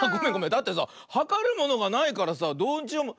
だってさはかるものがないからさどうしようも。